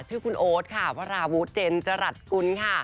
ชื่อคุณโอ๊ตค่ะวราวุฒิเจนจรัสกุลค่ะ